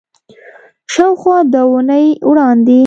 شاوخوا دوه اونۍ وړاندې